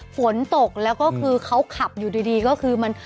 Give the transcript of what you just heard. ฝนตกแล้วก็คือเขาขับอยู่ดีก็คือมัน